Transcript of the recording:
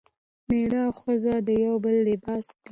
میړه او ښځه د یو بل لباس دي.